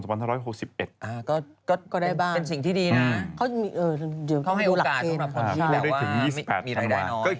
ก็ได้บ้างเป็นสิ่งที่ดีนะเขาให้โอกาสสำหรับคนที่แล้วถึงมีรายได้น้อย